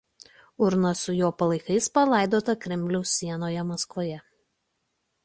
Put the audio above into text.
Urna su jo palaikais palaidota Kremliaus sienoje Maskvoje.